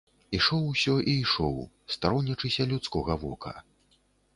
Ішоў усё і ішоў, старонячыся людскога вока.